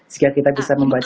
sekian kita bisa membahas